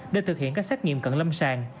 để thực hiện các xét nghiệm cận lâm sàng